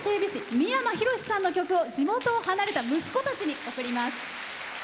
三山ひろしさんの曲を地元を離れた息子たちに送ります。